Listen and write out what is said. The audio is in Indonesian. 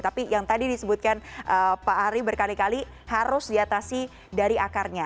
tapi yang tadi disebutkan pak ari berkali kali harus diatasi dari akarnya